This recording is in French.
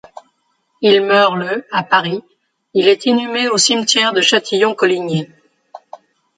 Il meurt le à Paris, il est inhumé au cimetière de Châtillon-Coligny.